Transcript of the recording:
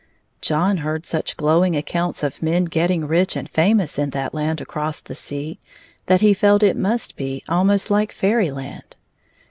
John heard such glowing accounts of men getting rich and famous in that land across the sea that he felt it must be almost like fairy land.